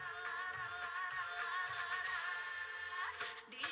harilah tahu pun